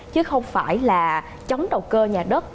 chứ không phải là chống đầu cơ nhà đất